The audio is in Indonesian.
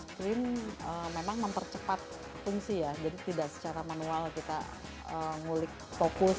screen memang mempercepat fungsi ya jadi tidak secara manual kita ngulik fokus